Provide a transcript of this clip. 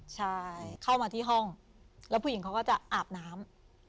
ใช่เข้ามาที่ห้องแล้วผู้หญิงเขาก็จะอาบน้ำ